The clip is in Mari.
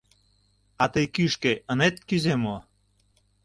— А тый кӱшкӧ ынет кӱзӧ мо?